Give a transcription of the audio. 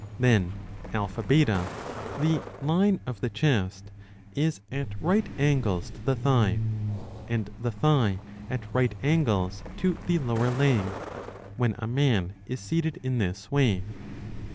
Then AB, the line of the chest, is at right angles to the thigh, and the thigh at right angles to the lower leg, when a man is seated in this way.